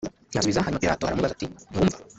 ntiyasubiza Hanyuma Pilato aramubaza ati ntiwumva